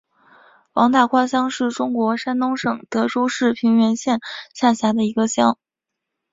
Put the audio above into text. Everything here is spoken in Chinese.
王打卦乡是中国山东省德州市平原县下辖的一个乡。